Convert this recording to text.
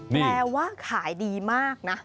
แปลว่าขายดีมากนะ